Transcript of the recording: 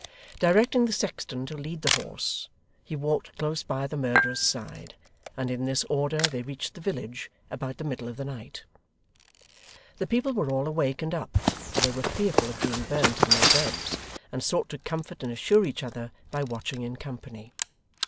Directing the sexton to lead the horse, he walked close by the murderer's side, and in this order they reached the village about the middle of the night. The people were all awake and up, for they were fearful of being burnt in their beds, and sought to comfort and assure each other by watching in company.